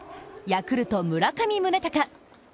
ヤクルト、村上宗隆。